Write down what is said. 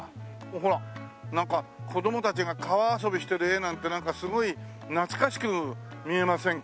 ほらなんか子供たちが川遊びしてる画なんてなんかすごい懐かしく見えませんか？